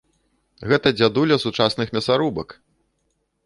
Гэта дзядуля сучасных мясарубак!